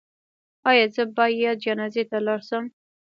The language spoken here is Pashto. ایا زه باید جنازې ته لاړ شم؟